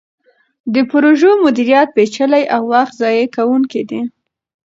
د پروژو مدیریت پیچلی او وخت ضایع کوونکی دی.